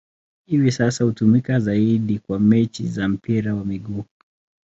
Hivi sasa hutumika zaidi kwa mechi za mpira wa miguu.